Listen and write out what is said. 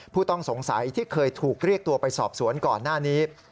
ผู้ต้องสงสัยที่เคยถูกเรียกตัวไปสอบสวนก่อนหน้านี้